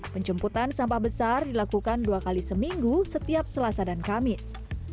penjemputan sampah besar dilakukan dua kali seminggu setiap selasa dan kamis